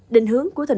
đình hướng của tp hcm